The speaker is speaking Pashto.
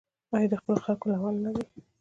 آیا د خپلو خلکو له امله نه دی؟